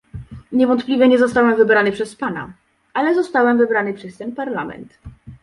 Niewątpliwie nie zostałem wybrany przez pana, ale zostałem wybrany przez ten Parlament